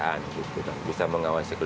ini untuk apalagi mana ya pak eko